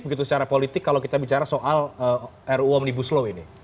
begitu secara politik kalau kita bicara soal ruu omnibus law ini